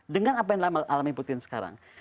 dengan apa yang alami putin sekarang